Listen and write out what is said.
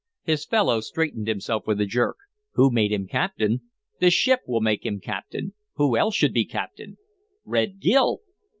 His fellow straightened himself with a jerk. "Who made him captain? The ship will make him captain. Who else should be captain?" "Red Gil!"